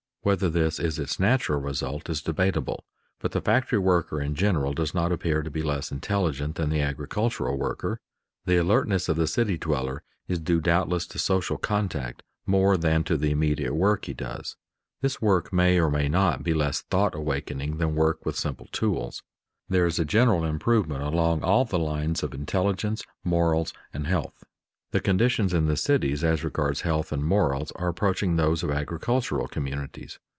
Whether this is its natural result is debatable, but the factory worker in general does not appear to be less intelligent than the agricultural worker. The alertness of the city dweller is due doubtless to social contact more than to the immediate work he does. This work may or may not be less thought awakening than work with simple tools. There is a general improvement along all the lines of intelligence, morals, and health. The conditions in the cities as regards health and morals are approaching those of agricultural communities.